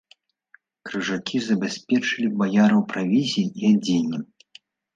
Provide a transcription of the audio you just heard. Крыжакі забяспечылі баяраў правізіяй і адзеннем.